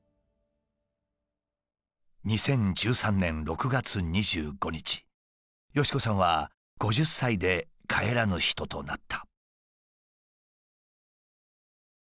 ２０１３年６月２５日敏子さんは５０歳で帰らぬ人となった。